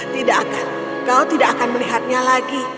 tidak akan kau tidak akan melihatnya lagi